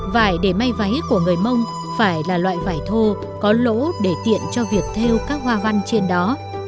vải để may váy của người mông phải là loại vải thô có lỗ để tiện cho việc theo các hoa văn trên đó